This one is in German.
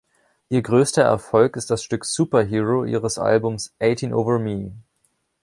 Ihr größter Erfolg ist das Stück "Superhero" ihres Albums "Eighteen Over Me".